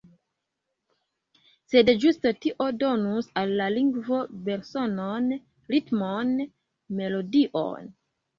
Sed ĝuste tio donus al la lingvo belsonon, ritmon, melodion.